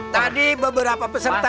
tadi beberapa peserta